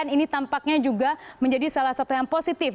ini tampaknya juga menjadi salah satu yang positif